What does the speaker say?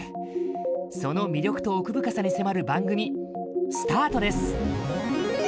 その魅力と奥深さに迫る番組スタートです。